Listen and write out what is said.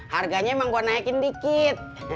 harganya emang gue naikin dikit